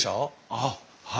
ああはい。